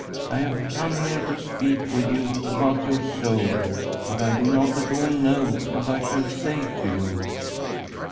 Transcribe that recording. I have come here to speak with you about your soul, but I do not at all know what I shall say to you.'